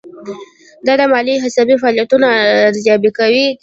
دا د مالي او حسابي فعالیتونو ارزیابي کوي.